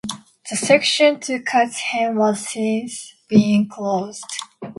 The section to Kirchheim has since been closed.